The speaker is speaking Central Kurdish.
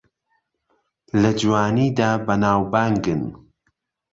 لە جوانیدا بەناوبانگن